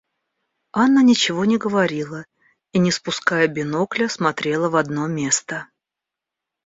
Анна ничего не говорила и, не спуская бинокля, смотрела в одно место.